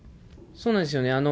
そうなんですよね。